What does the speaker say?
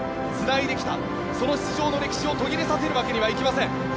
つないできた、その出場の歴史を途切れさせるわけにいきません。